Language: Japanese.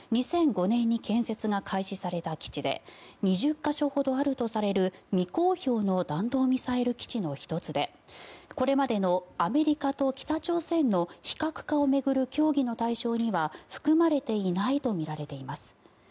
２００５年に建設が開始された基地で２０か所ほどあるとされる未公表の弾道ミサイル基地の１つでこれまでのアメリカと北朝鮮の非核化を巡る協議の対象には含まれていないとみられています。